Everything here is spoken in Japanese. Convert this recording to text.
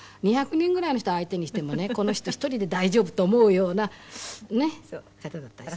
２００人ぐらいの人相手にしてもねこの人１人で大丈夫と思うようなねっ方だったですからね。